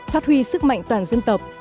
phát huy sức mạnh toàn dân tộc